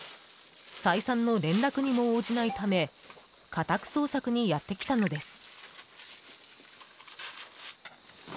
再三の連絡にも応じないため家宅捜索にやってきたのです。